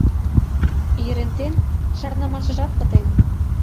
Ерентен шарнымашыжат пытен.